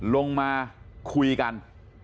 ลงมาคุยกัน